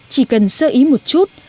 chỉ cần sơ ý một chút